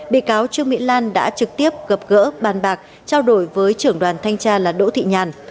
bị cáo trương mỹ lan đã trực tiếp gặp gỡ bàn bạc trao đổi với trưởng đoàn thanh tra là đỗ thị nhàn